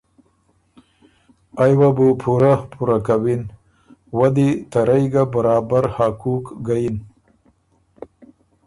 ائ وه بُو پُورۀ پُوره کَوِن، وۀ دی ته رئ ګۀ برابر حقوق ګۀ یِن۔